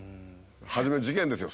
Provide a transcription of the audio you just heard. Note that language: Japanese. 初め「事件ですよ」